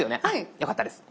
よかったです。